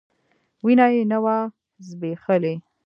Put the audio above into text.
وينه يې نه وه ځبېښلې.